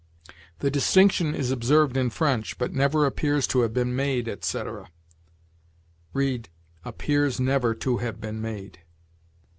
"The distinction is observed in French, but never appears to have been made," etc.; read, "appears never to have been made."